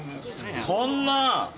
そんな。